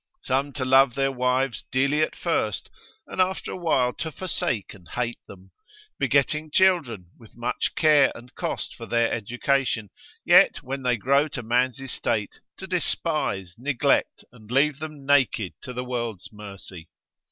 Some to love their wives dearly at first, and after a while to forsake and hate them; begetting children, with much care and cost for their education, yet when they grow to man's estate, to despise, neglect, and leave them naked to the world's mercy.